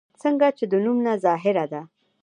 څنګه چې د نوم نه ظاهره ده